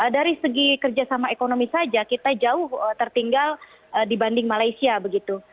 dari segi kerjasama ekonomi saja kita jauh tertinggal dibanding malaysia begitu